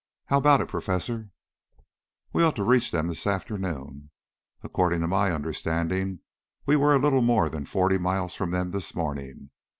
How about it, Professor?" "We ought to reach them this afternoon. According to my understanding, we were a little more than forty miles from them this morning.